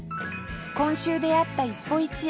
今週出会った一歩一会